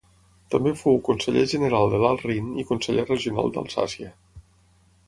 També fou conseller general de l'Alt Rin i conseller regional d'Alsàcia.